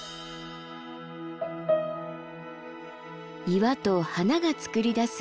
岩と花がつくり出す